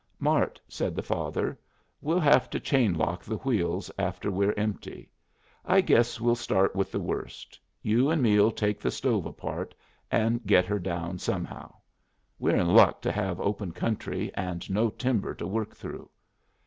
"Mart," said the father, "we'll have to chain lock the wheels after we're empty. I guess we'll start with the worst. You and me'll take the stove apart and get her down somehow. We're in luck to have open country and no timber to work through.